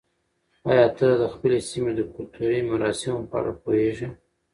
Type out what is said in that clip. آیا ته د خپلې سیمې د کلتوري مراسمو په اړه پوهېږې؟